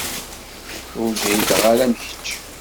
Ur ǧhideɣ ara am kečč.